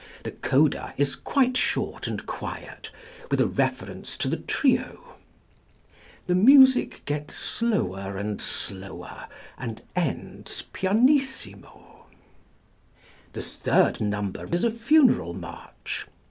The coda is quite short and quiet, with a reference to the trio: the music gets slower and slower, and ends pianissimo. The third number is a funeral march.